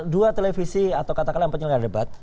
dua televisi atau katakanlah penyelenggar debat